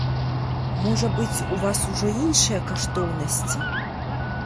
Можа быць, у вас ужо іншыя каштоўнасці?